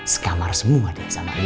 sekamar semua deh sama ini